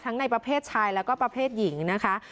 ในประเภทชายแล้วก็ประเภทหญิงนะคะ